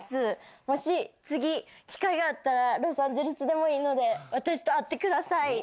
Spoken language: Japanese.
もし、次、機会があったら、ロサンゼルスでもいいので、私と会ってください。